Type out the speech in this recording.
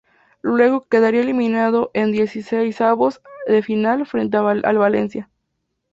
Luego, quedaría eliminado en dieciseisavos de final frente al Valencia.